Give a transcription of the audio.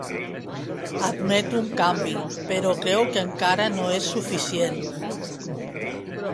Admet un canvi, però creu que encara no és suficient.